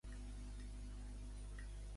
Com va marxar Temme?